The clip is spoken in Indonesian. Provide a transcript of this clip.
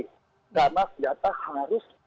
karena ternyata harus